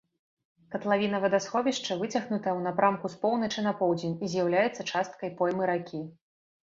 Катлавіна вадасховішча выцягнутая ў напрамку з поўначы на поўдзень і з'яўляецца часткай поймы ракі.